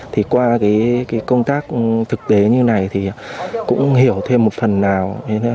thì qua công tác thực tế như này thì cũng hiểu thêm một phần nào